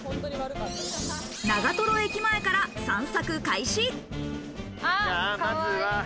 長瀞駅前から散策開始。